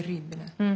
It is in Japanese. うん。